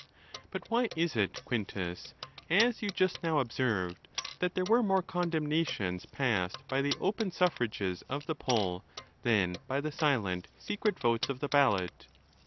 |_ But why is it, Quintus, as you just now observed, that 'there were more condemnations passed by the open suffrages of the poll, than by the silent, secret votes of the ballot?